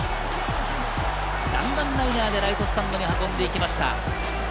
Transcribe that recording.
弾丸ライナーでライトスタンドに運んでいきました。